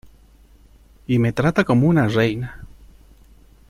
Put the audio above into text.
y me trata como una reina.